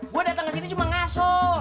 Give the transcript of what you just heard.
gue datang ke sini cuma ngaso